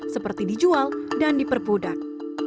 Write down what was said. seperti dijual dan diperbudak